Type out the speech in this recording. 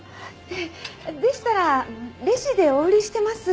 でしたらレジでお売りしてますが。